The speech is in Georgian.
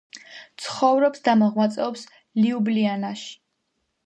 ცხოვრობს და მოღვაწეობს ლიუბლიანაში.